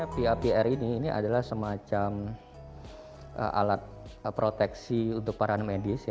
papr ini adalah semacam alat proteksi untuk para medis